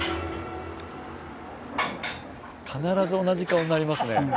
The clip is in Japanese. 必ず同じ顔になりますね。